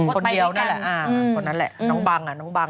คนเดียวนั่นแหละน้องบัง